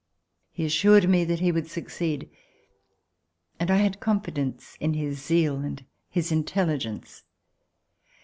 He assured me that he would succeed, and I had confi dence in his zeal and his intelligence.